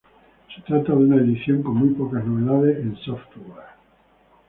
Se trata de una edición con muy pocas novedades en software.